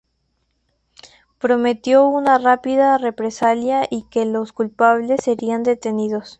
Prometió una rápida represalia y que los culpables serían detenidos.